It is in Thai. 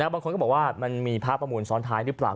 บางคนก็บอกว่ามันมีพระประมูลซ้อนท้ายหรือเปล่า